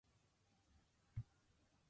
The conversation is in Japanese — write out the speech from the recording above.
車に轢かれる